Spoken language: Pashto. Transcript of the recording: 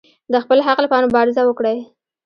د خپل حق لپاره مبارزه وکړئ